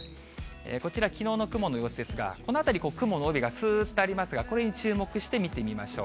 こちら、きのうの雲の様子ですが、この辺り、雲の帯がすーっとありますが、これに注目して見てみましょう。